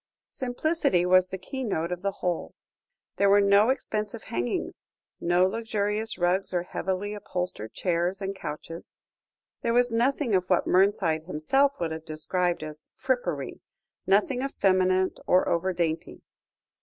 Simplicity was the keynote of the whole. There were no expensive hangings, no luxurious rugs or heavily upholstered chairs and couches; there was nothing of what Mernside himself would have described as "frippery," nothing effeminate or over dainty.